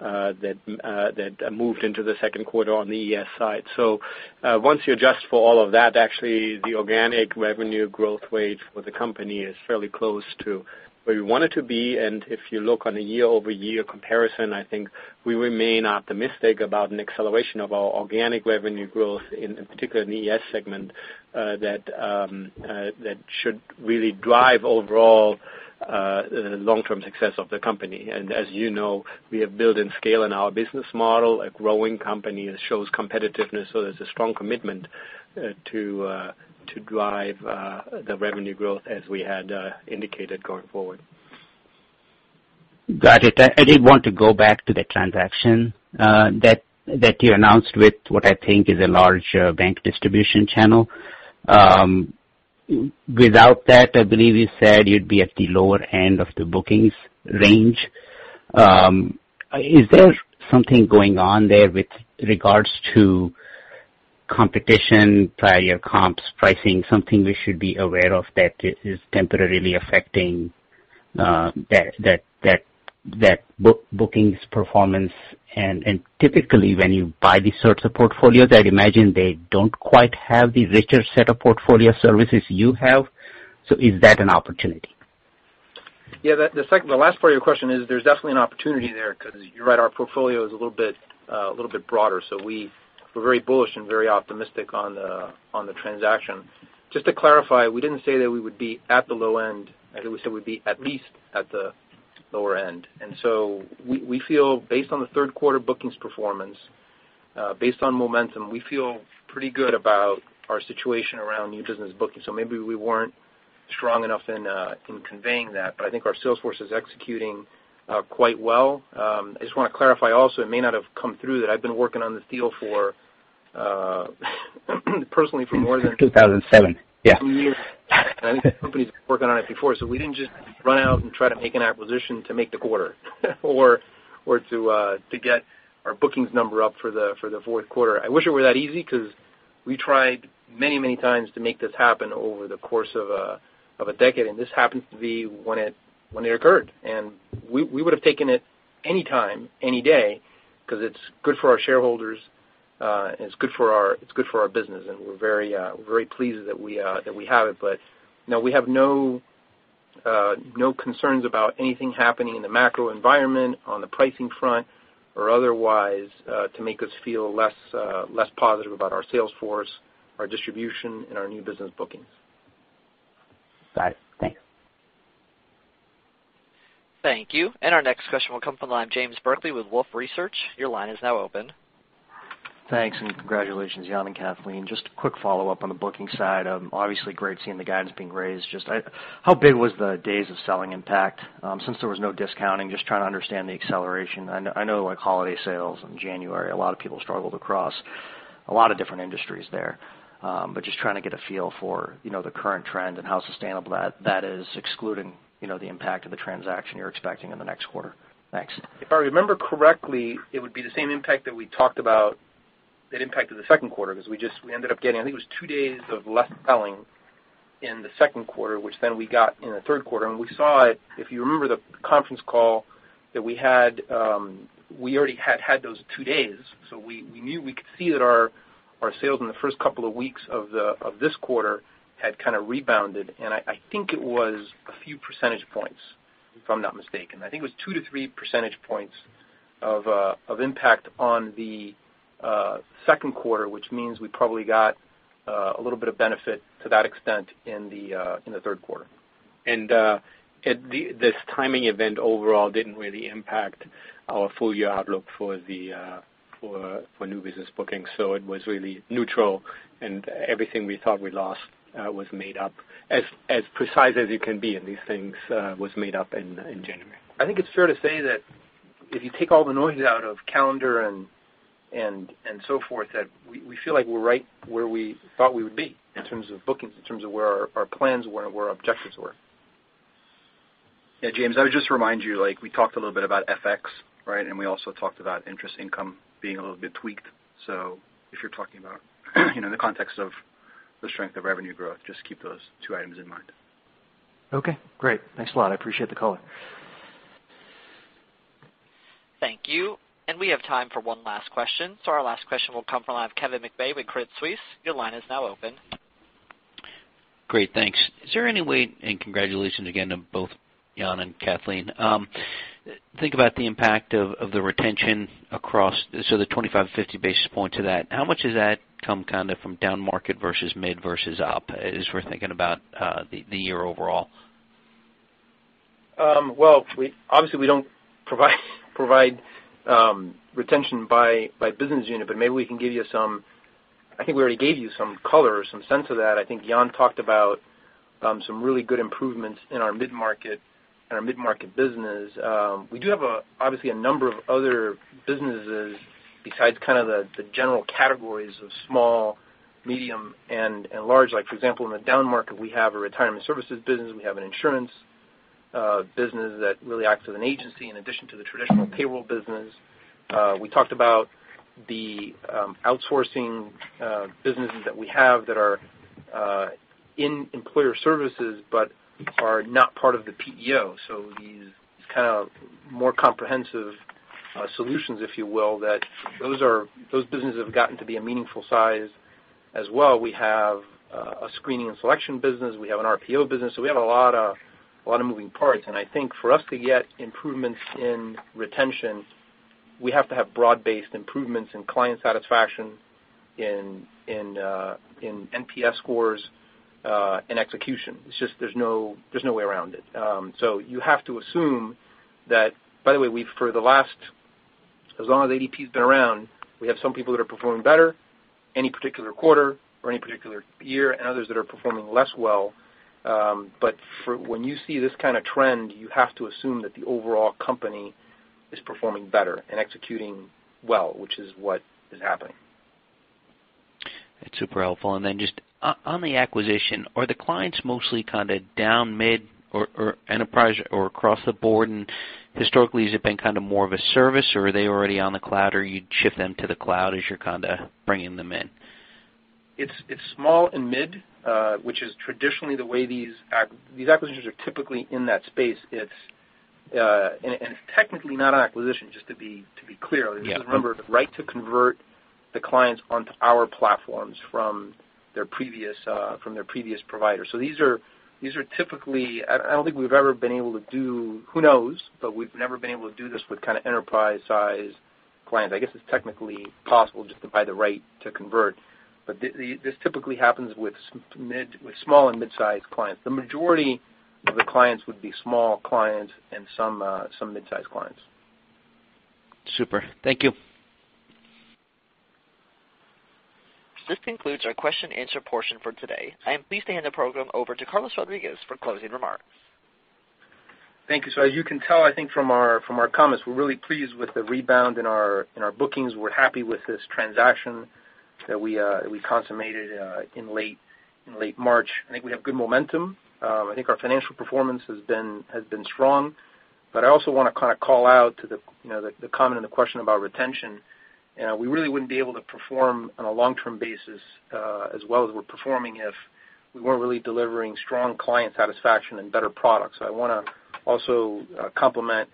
that moved into the second quarter on the ES side. Once you adjust for all of that, actually, the organic revenue growth rate for the company is fairly close to where we want it to be. If you look on a year-over-year comparison, I think we remain optimistic about an acceleration of our organic revenue growth in particular in the ES segment that should really drive overall long-term success of the company. As you know, we have built in scale in our business model, a growing company that shows competitiveness. There's a strong commitment to drive the revenue growth as we had indicated going forward. Got it. I did want to go back to the transaction that you announced with what I think is a large bank distribution channel. Without that, I believe you said you'd be at the lower end of the bookings range. Is there something going on there with regards to competition, prior year comps, pricing, something we should be aware of that is temporarily affecting that bookings performance? Typically, when you buy these sorts of portfolios, I'd imagine they don't quite have the richer set of portfolio services you have. Is that an opportunity? Yeah. The last part of your question is there's definitely an opportunity there because you're right, our portfolio is a little bit broader. We're very bullish and very optimistic on the transaction. Just to clarify, we didn't say that we would be at the low end. I think we said we'd be at least at the lower end. We feel, based on the third quarter bookings performance, based on momentum, we feel pretty good about our situation around new business bookings. Maybe we weren't strong enough in conveying that, but I think our sales force is executing quite well. I just want to clarify also, it may not have come through that I've been working on this deal for personally. 2007. Yeah some years. I think the company's been working on it before. We didn't just run out and try to make an acquisition to make the quarter or to get our bookings number up for the fourth quarter. I wish it were that easy because we tried many times to make this happen over the course of a decade, and this happens to be when it occurred. We would've taken it any time, any day, because it's good for our shareholders, and it's good for our business, and we're very pleased that we have it. No, we have no concerns about anything happening in the macro environment, on the pricing front, or otherwise, to make us feel less positive about our sales force, our distribution, and our new business bookings. Got it. Thanks. Thank you. Our next question will come from the line of James Berkeley with Wolfe Research. Your line is now open. Thanks. Congratulations, Jan and Kathleen. Just a quick follow-up on the bookings side. Obviously great seeing the guidance being raised. Just how big was the days of selling impact, since there was no discounting? Just trying to understand the acceleration. I know like holiday sales in January, a lot of people struggled across a lot of different industries there. Just trying to get a feel for the current trend and how sustainable that is, excluding the impact of the transaction you're expecting in the next quarter. Thanks. If I remember correctly, it would be the same impact that we talked about that impacted the second quarter because we ended up getting, I think it was two days of less selling in the second quarter, which then we got in the third quarter. We saw it, if you remember the conference call that we had, we already had those two days. We knew we could see that our sales in the first couple of weeks of this quarter had kind of rebounded, and I think it was a few percentage points, if I'm not mistaken. I think it was two to three percentage points of impact on the second quarter, which means we probably got a little bit of benefit to that extent in the third quarter. This timing event overall didn't really impact our full-year outlook for new business bookings. It was really neutral, and everything we thought we lost was made up, as precise as it can be in these things, was made up in January. I think it's fair to say that if you take all the noise out of calendar and so forth, that we feel like we're right where we thought we would be in terms of bookings, in terms of where our plans were and where our objectives were. Yeah, James, I would just remind you, we talked a little bit about FX, right? We also talked about interest income being a little bit tweaked. If you're talking about the context of the strength of revenue growth, just keep those two items in mind. Okay, great. Thanks a lot. I appreciate the color. Thank you. We have time for one last question. Our last question will come from the line of Kevin McVeigh with Credit Suisse. Your line is now open. Great, thanks. Is there any way, congratulations again to both Jan and Kathleen, think about the impact of the retention across the 25, 50 basis points of that, how much does that come kind of from down market versus mid versus up as we're thinking about the year overall? Well, obviously we don't provide retention by business unit, but maybe we can give you some, I think we already gave you some color or some sense of that. I think Jan talked about some really good improvements in our mid-market business. We do have obviously a number of other businesses besides the general categories of small, medium, and large. Like for example, in the down market, we have a retirement services business, we have an insurance business that really acts as an agency in addition to the traditional payroll business. We talked about the outsourcing businesses that we have that are in Employer Services but are not part of the PEO. These kind of more comprehensive solutions, if you will, those businesses have gotten to be a meaningful size as well. We have a screening and selection business. We have an RPO business. We have a lot of moving parts, and I think for us to get improvements in retention, we have to have broad-based improvements in client satisfaction in NPS scores and execution. There's no way around it. You have to assume by the way, for the last, as long as ADP's been around, we have some people that are performing better any particular quarter or any particular year, and others that are performing less well. When you see this kind of trend, you have to assume that the overall company is performing better and executing well, which is what is happening. That's super helpful. Then just on the acquisition, are the clients mostly kind of down, mid, or enterprise or across the board? Historically, has it been kind of more of a service, or are they already on the cloud, or you'd shift them to the cloud as you're kind of bringing them in? It's small and mid, which is traditionally the way These acquisitions are typically in that space. It's technically not an acquisition, just to be clear. Yeah. This is, remember, the right to convert the clients onto our platforms from their previous provider. These are typically, I don't think we've ever been able to do, who knows, but we've never been able to do this with kind of enterprise-size clients. I guess it's technically possible just to buy the right to convert. This typically happens with small and mid-size clients. The majority of the clients would be small clients and some mid-size clients. Super. Thank you. This concludes our question and answer portion for today. I am pleased to hand the program over to Carlos for closing remarks. Thank you, sir. As you can tell, I think from our comments, we're really pleased with the rebound in our bookings. We're happy with this transaction that we consummated in late March. I think we have good momentum. I think our financial performance has been strong. I also want to kind of call out to the comment and the question about retention. We really wouldn't be able to perform on a long-term basis, as well as we're performing, if we weren't really delivering strong client satisfaction and better products. I want to also compliment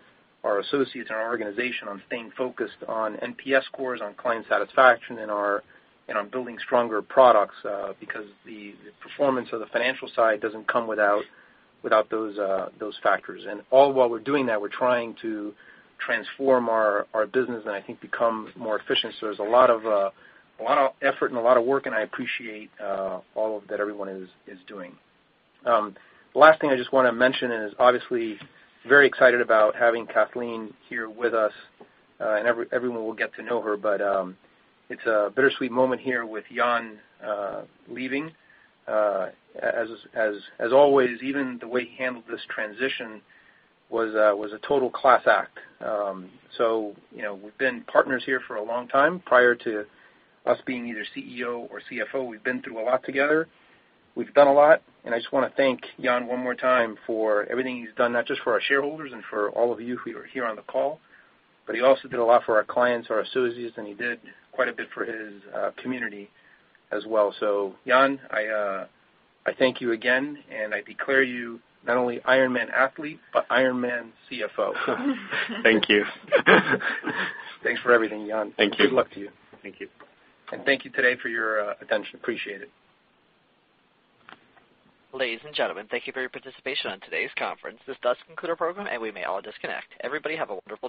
our associates and our organization on staying focused on NPS scores, on client satisfaction, and on building stronger products, because the performance of the financial side doesn't come without those factors. All while we're doing that, we're trying to transform our business and I think become more efficient. There's a lot of effort and a lot of work, and I appreciate all of that everyone is doing. The last thing I just want to mention is obviously very excited about having Kathleen here with us, and everyone will get to know her. It's a bittersweet moment here with Jan leaving. As always, even the way he handled this transition was a total class act. We've been partners here for a long time. Prior to us being either CEO or CFO, we've been through a lot together. We've done a lot, and I just want to thank Jan one more time for everything he's done, not just for our shareholders and for all of you who are here on the call, but he also did a lot for our clients, our associates, and he did quite a bit for his community as well. Jan, I thank you again, and I declare you not only Ironman athlete, but Ironman CFO. Thank you. Thanks for everything, Jan. Thank you. Good luck to you. Thank you. Thank you today for your attention. Appreciate it. Ladies and gentlemen, thank you for your participation on today's conference. This does conclude our program, and we may all disconnect. Everybody have a wonderful day.